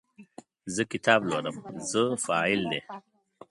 زه کتاب لولم – "زه" فاعل دی.